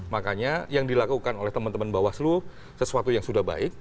makanya yang dilakukan oleh teman teman bawaslu sesuatu yang sudah baik